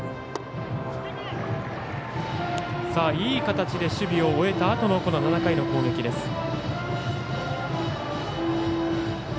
いい形で守備を終えたあとの７回の攻撃です。